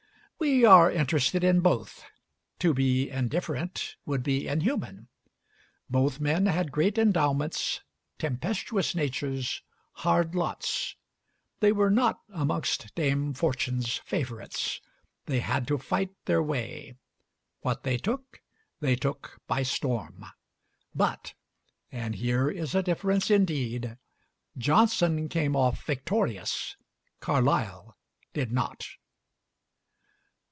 We are interested in both. To be indifferent would be inhuman. Both men had great endowments, tempestuous natures, hard lots. They were not amongst Dame Fortune's favorites. They had to fight their way. What they took they took by storm. But and here is a difference indeed Johnson came off victorious, Carlyle did not.